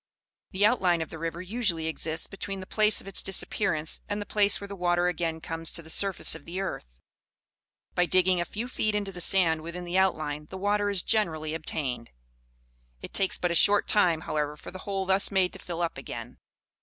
The outline of the river usually exists between the place of its disappearance and the place where the water again comes to the surface of the earth. By digging a few feet into the sand within the outline, the water is generally obtained. It takes but a short time, however, for the hole thus made to fill up again.